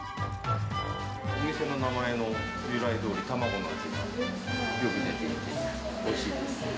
店名の名前の由来どおり、卵の味がよく出ていて、おいしいです。